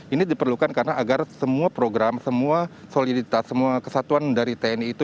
ini diperlukan karena agar semua program semua soliditas semua kesatuan dari tni itu